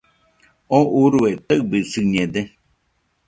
¿Oo urue taɨbɨsiñede?